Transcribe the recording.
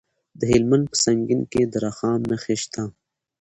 د هلمند په سنګین کې د رخام نښې شته.